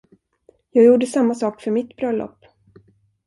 Jag gjorde samma sak för mitt bröllop!